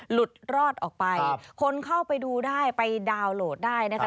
หลุดรอดออกไปคนเข้าไปดูได้ไปดาวน์โหลดได้นะคะ